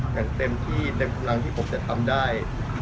อย่างเต็มที่เต็มกำลังที่ผมจะทำได้